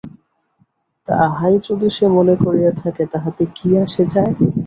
তাহাই যদি সে মনে করিয়া থাকে তাহাতে কী আসে যায়?